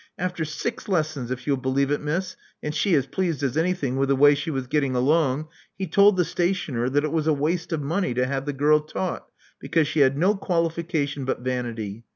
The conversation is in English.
After six lessons, if you'll believe it. Miss, and she as pleased as an)rthing with the way she was getting along, he told the stationer that it was waste of money to have the girl taught, because she had no qualification but van ity.